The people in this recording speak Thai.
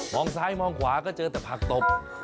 องซ้ายมองขวาก็เจอแต่ผักตบ